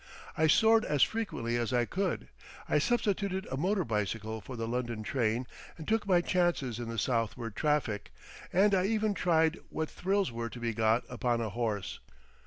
I soared as frequently as I could. I substituted a motor bicycle for the London train and took my chances in the southward traffic, and I even tried what thrills were to be got upon a horse.